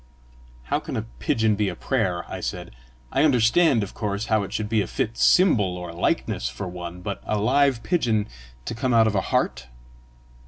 "How can a pigeon be a prayer?" I said. "I understand, of course, how it should be a fit symbol or likeness for one; but a live pigeon to come out of a heart!"